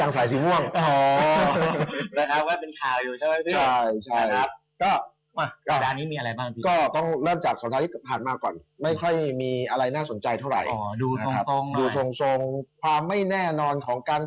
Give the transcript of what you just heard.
สวัสดีค่ะ